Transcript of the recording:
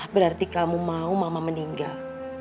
berarti kamu mau mama meninggal